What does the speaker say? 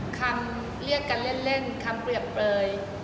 คำเรียกกันเล่นคำเปรียบเปลย